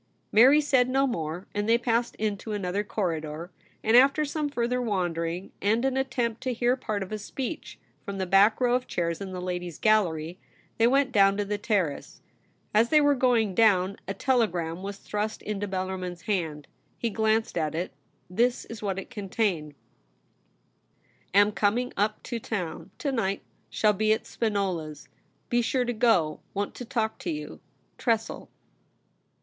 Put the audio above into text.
Mary said no more, and they passed into another corridor, and after some further wandering, and an attempt to hear part of a speech from the back row of chairs in the Ladies' Gallery, they went down to the Ter race. As they were going down, a telegram was thrust into Bellarmin's hand. He glanced at it ; this is what it contained : *Am coming up to town to night. Shall be at Spinola's. Be sure to go ; want to talk to you. ' Tressel.'